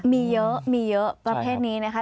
มีเยอะพระเภทนี้นะฮะ